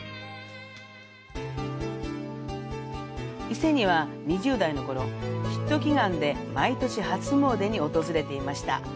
伊勢には、２０代のころ、ヒット祈願で毎年、初詣に訪れていました。